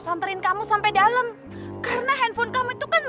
bener kita harus kawal biar aman